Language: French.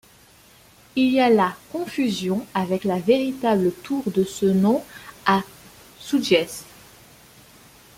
Il y a là confusion avec la véritable tour de ce nom à Sugiez.